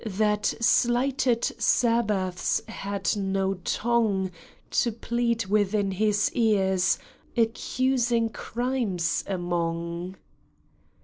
That slighted Sabbaths had no tongue To plead within His ears, accusing crimes among